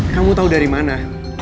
kamu tahu dari mana